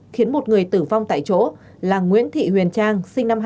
khiến một người tử vong tại chỗ là nguyễn thị huyền trang